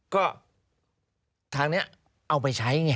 ก็ทางนี้เอาไปใช้ไง